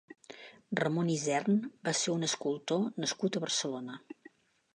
Ramon Isern va ser un escultor nascut a Barcelona.